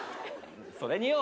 それによ